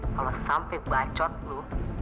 kalau sampai bacot lu